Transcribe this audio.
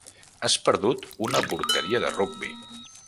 Has perdut una porteria de rugbi.